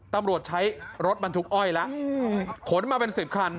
ตำรวจใช้รถบรรทุกอ้อยแล้วขนมาเป็น๑๐คัน